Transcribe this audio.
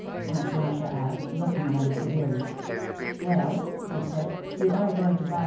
Aunt Masha asked, looking at him severely. "Well," he said, "you are going to buy her shoes, #*&\?